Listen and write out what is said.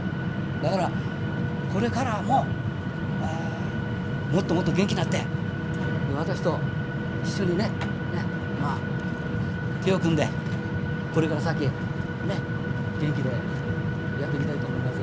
だからこれからももっともっと元気になって私と一緒にね手を組んでこれから先ね元気でやっていきたいと思います。